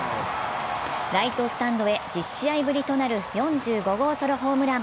ライトスタンドへ１０試合ぶりとなる４５号ソロホームラン。